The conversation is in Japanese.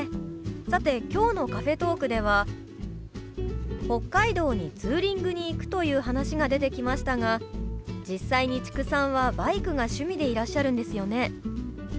さて今日のカフェトークでは北海道にツーリングに行くという話が出てきましたが実際に知久さんはバイクが趣味でいらっしゃるんですよね？